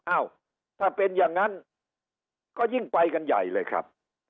อ้าวถ้าเป็นอย่างนั้นก็ยิ่งไปกันใหญ่เลยครับ